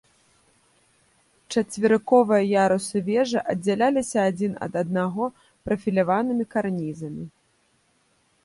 Чацверыковыя ярусы вежы аддзяляліся адзін ад аднаго прафіляванымі карнізамі.